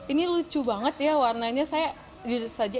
ini lucu banget ya warnanya saya